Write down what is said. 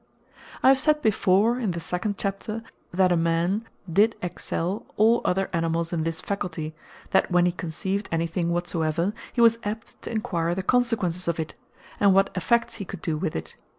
I have said before, (in the second chapter,) that a Man did excell all other Animals in this faculty, that when he conceived any thing whatsoever, he was apt to enquire the consequences of it, and what effects he could do with it.